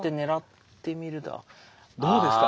どうですか？